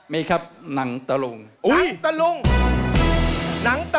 ไม่ครับหนังตะรุง